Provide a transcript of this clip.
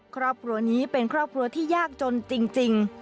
ครอบครัวนี้เป็นครอบครัวที่ยากจนจริง